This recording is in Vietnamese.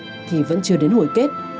nông nghiệp thì vẫn chưa đến hồi kết